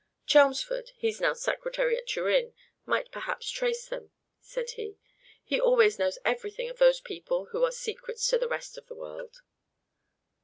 "Chelmsford he 's now Secretary at Turin might perhaps trace them," said he; "he always knows everything of those people who are secrets to the rest of the world."